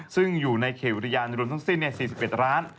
ซึ่งอยู่ในเขวิตยานรุนทั้งสิ้นเนี่ย๔๑ร้าน